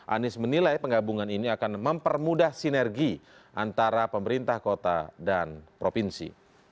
anies menilai penggabungan ini akan mempermudah sinergi antara pemerintah kota dan provinsi